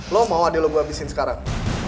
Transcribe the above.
lu mau ade lu gua abisin sekarang